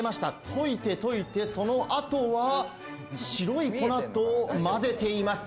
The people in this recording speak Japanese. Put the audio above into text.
溶いて溶いてその後は白い粉と混ぜています。